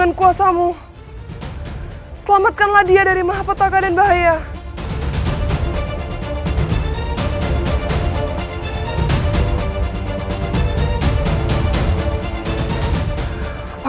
akan memberitahu bahwa kamu dapat alis dinumpuh ke dalam